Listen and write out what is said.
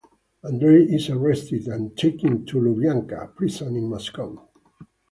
Andrei is arrested and taken to Lubyanka prison in Moscow.